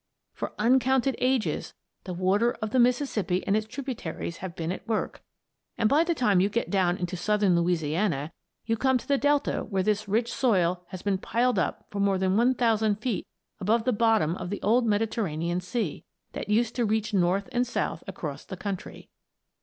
For uncounted ages, the water of the Mississippi and its tributaries have been at work, and by the time you get down into southern Louisiana you come to the delta where this rich soil has been piled up for more than 1,000 feet above the bottom of the old Mediterranean Sea, that used to reach north and south across the country.